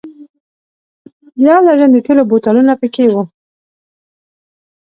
یو درجن د تېلو بوتلونه په کې و.